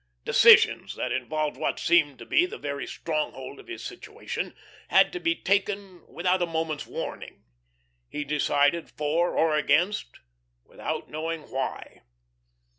Decisions that involved what seemed to be the very stronghold of his situation, had to be taken without a moment's warning. He decided for or against without knowing why.